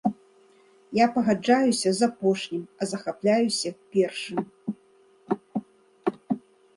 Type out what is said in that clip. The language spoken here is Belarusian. Я пагаджаюся з апошнім, а захапляюся першым.